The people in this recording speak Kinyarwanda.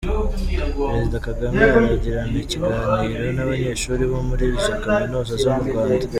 Perezida Kagame aragirana ikiganiro n’abanyeshuri bo muri za kaminuza zo mu Rwanda